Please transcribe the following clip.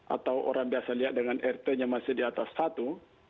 atau orang biasa lihat dengan rt nya masih di atas satu